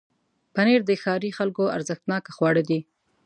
پنېر د ښاري خلکو ارزښتناکه خواړه دي.